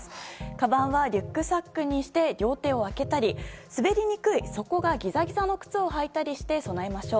かばんはリュックサックにして両手を空けたり滑りにくい底がギザギザの靴を履いたりして備えましょう。